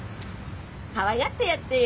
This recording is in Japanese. かわいがってやってよ。